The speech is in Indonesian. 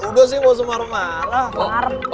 udah sih mau semua rumah